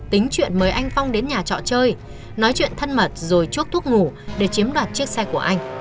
tính chuyện mời anh phong đến nhà trọ chơi nói chuyện thân mật rồi chuốc thuốc ngủ để chiếm đoạt chiếc xe của anh